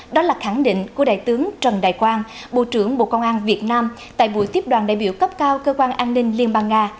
đó là khẳng định của đại tướng trần đại quang bộ trưởng bộ công an việt nam tại buổi tiếp đoàn đại biểu cấp cao cơ quan an ninh liên bang nga